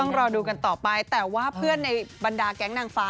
รอดูกันต่อไปแต่ว่าเพื่อนในบรรดาแก๊งนางฟ้า